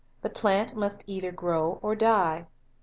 The plant must either grow or die.